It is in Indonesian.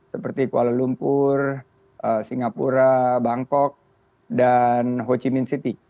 seperti kuala lumpur singapura bangkok dan ho chi minh city